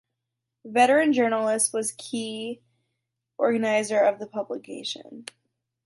Veteran journalist was key organizer of the publication.